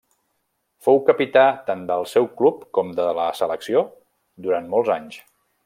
Fou capità tant del seu club com de la selecció durant molts anys.